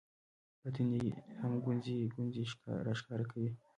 په تندي هم ګونځې ګونځې راښکاره شوې